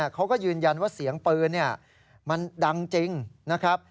เขาก็ยืนยันว่าเสียงปืนมันดังจริงนะครับ